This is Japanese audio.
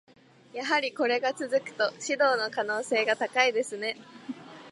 やはりこれが続くと、指導の可能性が高いですね。